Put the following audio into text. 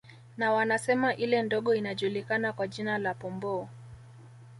Na wanasema ile ndogo inajulikana kwa jina la Pomboo